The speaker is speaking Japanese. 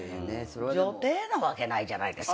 女帝なわけないじゃないですか。